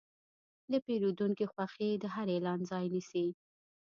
د پیرودونکي خوښي د هر اعلان ځای نیسي.